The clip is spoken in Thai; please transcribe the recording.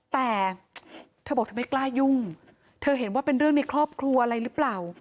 แต่เธอบอกเธอไม่กล้ายุ่งเธอเห็นว่าเป็นเรื่องในครอบครัวอะไรหรือเปล่า